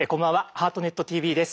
「ハートネットＴＶ」です。